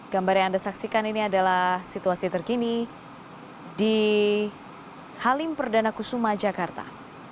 gambar yang anda saksikan ini adalah situasi terkini di halim perdana kusuma jakarta